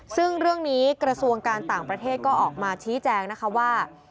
ซึ่งเรื่องนี้กระทรวงการต่างประเทศก็ออกมาชี้แจงนะคะว่า